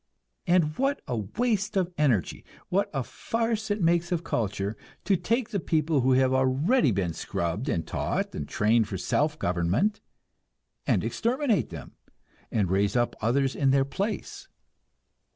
And what a waste of energy, what a farce it makes of culture, to take the people who have already been scrubbed and taught and trained for self government, and exterminate them, and raise up others in their place!